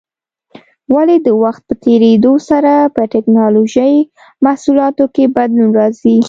ولې د وخت په تېرېدو سره په ټېکنالوجۍ محصولاتو کې بدلون راځي؟